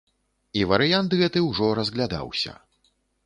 І варыянт гэты ўжо разглядаўся.